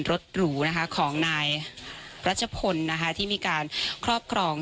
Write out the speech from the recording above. หรูของนายรัชพลที่มีการครอบครอง